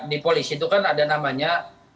di polisi itu kan ada namanya